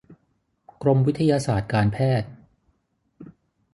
กรมวิทยาศาสตร์การแพทย์